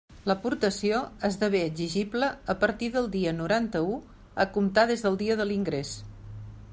L'aportació esdevé exigible a partir del dia noranta-u, a comptar des del dia de l'ingrés.